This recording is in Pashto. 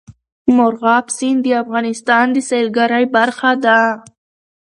مورغاب سیند د افغانستان د سیلګرۍ برخه ده.